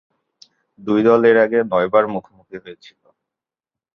দুই দল এর আগে নয়বার মুখোমুখি হয়েছিল।